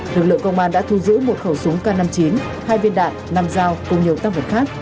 lực lượng công an đã thu giữ một khẩu súng k năm mươi chín hai viên đạn năm dao cùng nhiều tăng vật khác